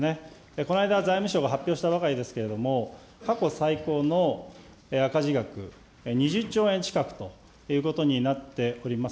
この間、財務省が発表したばかりですけれども、過去最高の赤字額、２０兆円近くということになっております。